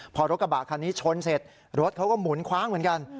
พอรถกระบะคันนี้ชนเสร็จรถเขาก็หมุนคว้างเหมือนกัน